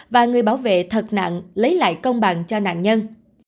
và người bảo vệ thật nặng lấy lại công bằng cho nạn nhân